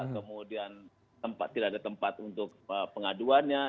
kemudian tidak ada tempat untuk pengaduannya